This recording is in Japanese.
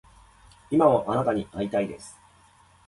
今もあなたに逢いたいです